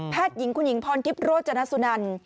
หญิงคุณหญิงพรทิพย์โรจนสุนัน